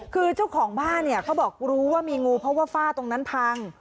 คือเจ้าของบ้านเนี่ยเขาบอกรู้ว่ามีงูเพราะว่าฝ้าตรงนั้นพัง